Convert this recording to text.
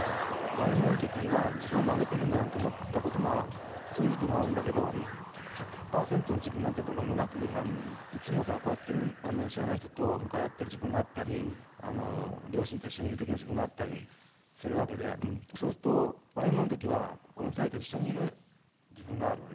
ＹＭＯの時は自分を曲げてるんだなんて思ったこともそういう時期もあるんだけど１００％の自分なんてどこにもなくてさいつもさこうやって知らない人と向かい合ってる自分があったり両親と一緒にいる時の自分があったりするわけでそうするとＹＭＯの時はこの２人と一緒にいる自分があるのね。